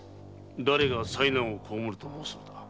だれが災難を被るのだ？